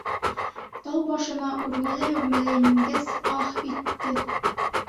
Тау башына үрмәләй-үрмәләй менгәс, аһ итте.